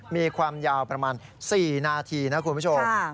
มีความยาวประมาณ๔นาทีนะคุณผู้ชม